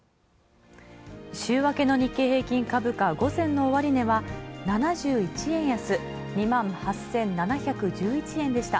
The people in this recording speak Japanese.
週明けの日経平均株価、午前の終値は７１円安、２万８７１１円でした。